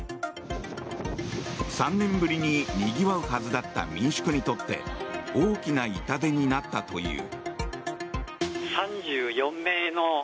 ３年ぶりににぎわうはずだった民宿にとって大きな痛手になったという。